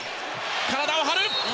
体を張る。